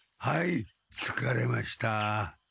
はいつかれました。